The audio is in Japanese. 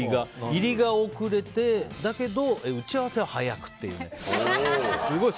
入りが遅れて、だけど打ち合わせは早くてみたいな。